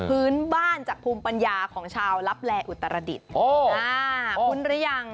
พื้นบ้านจากภูมิปัญญาของชาวลับแลอุตรดิษฐ์คุ้นหรือยัง